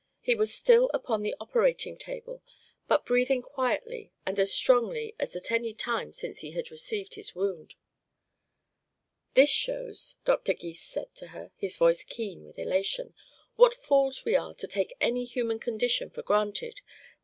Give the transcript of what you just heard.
He was still upon the operating table but breathing quietly and as strongly as at any time since he had received his wound. "This shows," Dr. Gys said to her, his voice keen with elation, "what fools we are to take any human condition for granted.